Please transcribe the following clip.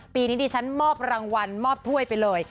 ปีนี้ดิฉันมอบรางวัลมอบถ้วยไปเลย